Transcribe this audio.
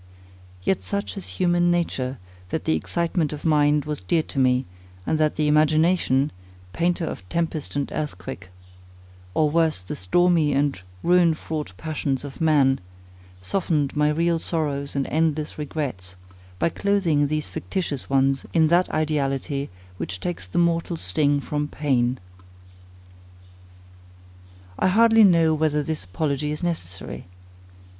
Yet such is human nature, that the excitement of mind was dear to me, and that the imagination, painter of tempest and earthquake, or, worse, the stormy and ruin fraught passions of man, softened my real sorrows and endless regrets, by clothing these fictitious ones in that ideality, which takes the mortal sting from pain. I hardly know whether this apology is necessary.